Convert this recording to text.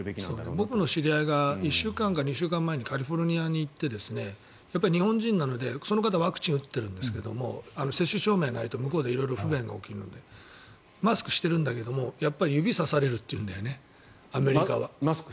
僕の知り合いが１週間か２週間前にカリフォルニアに行ってやっぱり日本人なのでその方はワクチンを打ってるんですが接種証明がないと向こうで色々不便が起きるのでマスクをしているんだけどやっぱり指をさされるというんだよね。